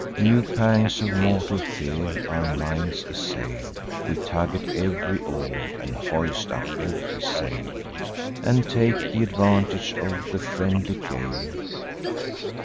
New pangs of mortal fear our minds assail; We tug at ev'ry oar, and hoist up ev'ry sail, And take th' advantage of the friendly gale.